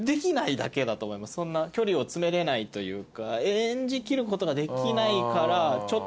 そんな距離を詰めれないというか。